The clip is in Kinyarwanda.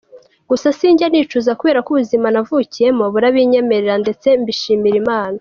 Gusa sinjya nicuza kuberako ubuzima navukiyemo burabinyemerera ndetse mbishimira Imana.